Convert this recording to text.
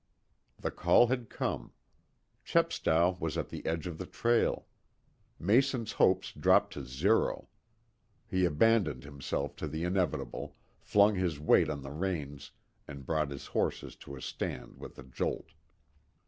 The call had come. Chepstow was at the edge of the trail. Mason's hopes dropped to zero. He abandoned himself to the inevitable, flung his weight on the reins, and brought his horses to a stand with a jolt.